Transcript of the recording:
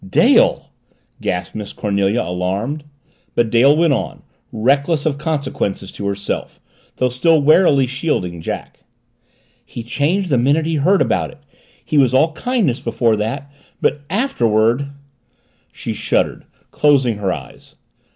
"Dale!" gasped Miss Cornelia, alarmed. But Dale went on, reckless of consequences to herself, though still warily shielding Jack. "He changed the minute he heard about it. He was all kindness before that but afterward " She shuddered, closing her eyes.